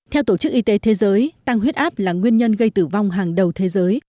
theo tổ chức y tế thế giới tăng huyết áp là nguyên nhân gây tử vong hàng đầu thế giới